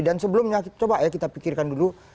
dan sebelumnya coba ya kita pikirkan dulu